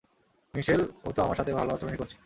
মিশেল, ও তো আমার সাথে ভালো আচরনই করছে।